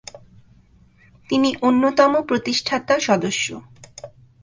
তিনি অন্যতম প্রতিষ্ঠাতা সদস্য।